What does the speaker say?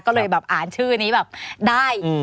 ก็เลยแบบอ่านชื่อนี้แบบได้